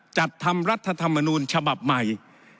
จัดทำรัฐธรรมนูญฉบับใหม่